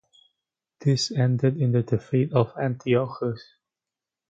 This ended in the defeat of Antiochus.